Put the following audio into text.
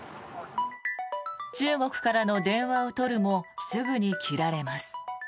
中国からの電話を取るもすぐに切られます。